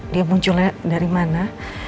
dia munculnya dari mana